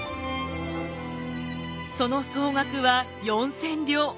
その総額は４，０００両。